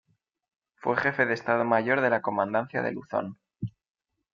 Fue Jefe de Estado Mayor de la Comandancia de Luzón.